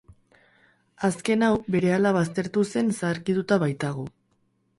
Azken hau berehala baztertu zen, zaharkituta baitago.